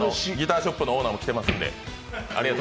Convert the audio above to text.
ギターショップのオーナーもきてますんで。